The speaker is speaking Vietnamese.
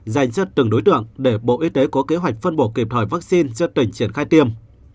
dành cho từng đối tượng để bộ y tế có kế hoạch phân bổ kịp thời vaccine cho tỉnh triển khai tiêm